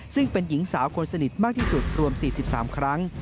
ซึ่งเป็นหญิงสาวคนสนิทมากที่สุดรวม๔๓ครั้ง